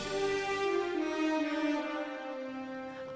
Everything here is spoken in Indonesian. aku mau lihat